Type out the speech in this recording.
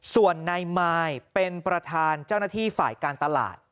ส่วนนายมายเป็นประธานเจ้าหน้าที่ฝ่ายการตลาด